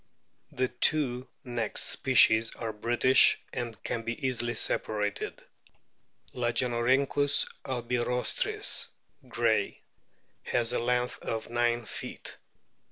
The two next species are British, and can be easily separated. Lagenorhynchus albirostris, Gray,* has a length of 9 feet.